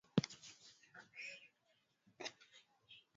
Maji Vikombe mbili vya kupikia